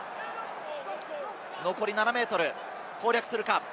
残り７ｍ、攻略するか？